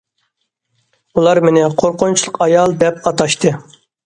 ئۇلار مېنى« قورقۇنچلۇق ئايال» دەپ ئاتاشتى.